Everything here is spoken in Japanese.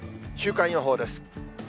週間予報です。